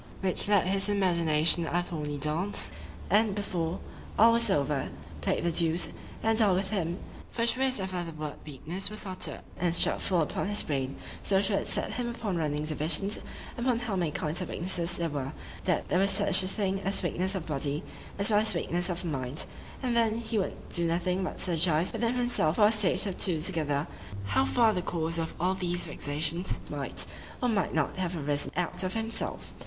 —which led his imagination a thorny dance, and, before all was over, play'd the duce and all with him;——for sure as ever the word weakness was uttered, and struck full upon his brain—so sure it set him upon running divisions upon how many kinds of weaknesses there were;——that there was such a thing as weakness of the body,——as well as weakness of the mind,—and then he would do nothing but syllogize within himself for a stage or two together, How far the cause of all these vexations might, or might not, have arisen out of himself.